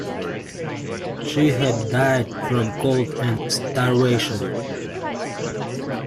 She had died from cold and starvation.